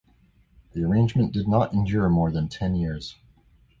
The arrangement did not endure more than ten years.